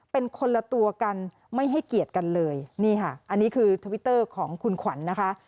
เป็นคนละตัวกันไม่ให้เกียรติกันเลยนี่ค่ะอันนี้คือทวิตเตอร์ของคุณขวัญนะคะ